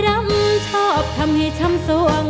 ทั้งในเรื่องของการทำงานเคยทำนานแล้วเกิดปัญหาน้อย